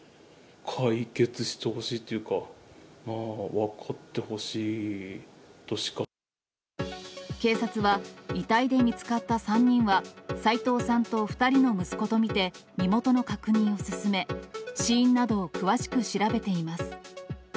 解決してほしいっていうか、警察は、遺体で見つかった３人は、齋藤さんと２人の息子と見て身元の確認を進め、死因などを詳しく調べています。